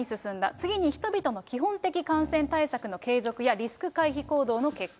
次に人々の基本的感染対策の継続やリスク回避行動の結果。